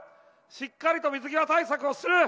しっかりと水際対策をする。